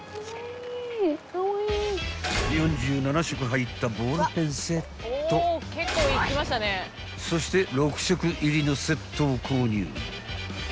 ［４７色入ったボールペンセットそして６色入りのセットを購入］